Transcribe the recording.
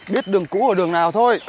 biết đường cũ ở đường nào thôi